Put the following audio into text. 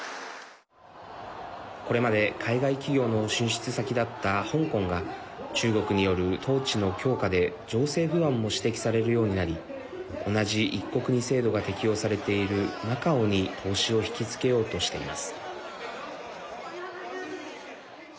これまで、海外企業の進出先だった香港が中国による統治の強化で情勢不安も指摘されるようになり同じ一国二制度が適用されているマカオに投資を引き付けようとしています。